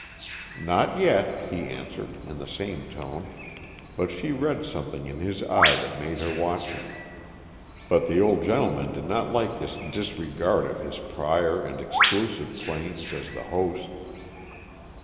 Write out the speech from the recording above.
"Not yet," he answered, in the same tone, but she read something in his eye that made her watch him. But the old gentleman did not like this disregard of his prior and exclusive claims as the host.